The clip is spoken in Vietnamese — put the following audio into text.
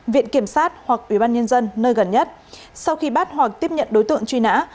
viện kiểm sát hoặc ủy ban nhân dân nơi gần nhất sau khi bắt hoặc tiếp nhận đối tượng truy nã